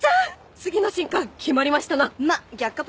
次の新刊決まりましたな！